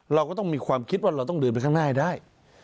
เราก็ต้องมีความคิดว่าเราต้องเดินไปข้างหน้าให้ได้